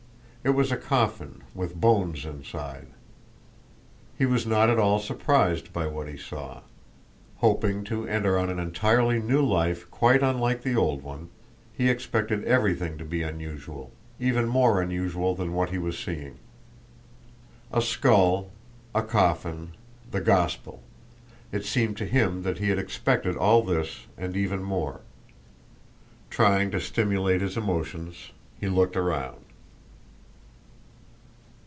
It was a coffin with bones inside. He was not at all surprised by what he saw. Hoping to enter on an entirely new life quite unlike the old one, he expected everything to be unusual, even more unusual than what he was seeing. A skull, a coffin, the Gospel—it seemed to him that he had expected all this and even more. Trying to stimulate his emotions he looked around.